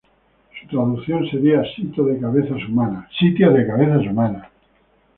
Su traducción sería 'sitio de cabezas humanas'.